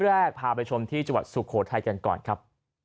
แรกพาไปชมที่จังหวัดสุโขทัยกันก่อนครับ